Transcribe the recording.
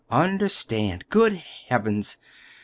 "Understand! Good Heavens!"